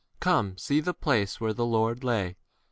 Come, see the place where the Lord lay.